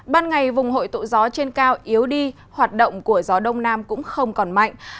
ban ngày vùng hội tụ gió trên cao yếu đi hoạt động của gió đông nam cũng không còn mạnh